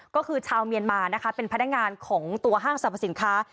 ก็คือชาวเมียนมานะคะเป็นพนักงานของตัวห้างสรรพสินค้า